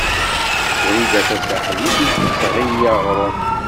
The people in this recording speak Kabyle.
Wrida Tasaḥlit ur d-tesɣi aɣrum.